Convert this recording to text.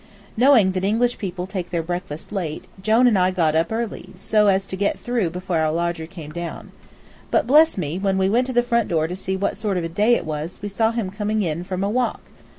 Knowing that English people take their breakfast late, Jone and I got up early, so as to get through before our lodger came down. But, bless me, when we went to the front door to see what sort of a day it was we saw him coming in from a walk.